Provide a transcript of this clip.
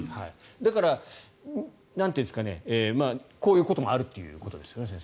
だから、なんというんですかねこういうこともあるということですよね、先生。